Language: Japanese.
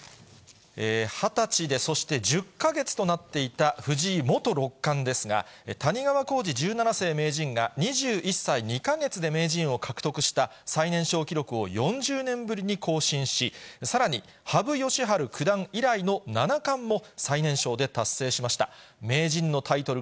２０歳で、そして１０か月となっていた藤井元六冠ですが、谷川浩司十七世名人が２１歳２か月で名人を獲得した最年少記録を４０年ぶりに更新し、さらに、羽生善治九段以来の七冠も、最年少で達成しました。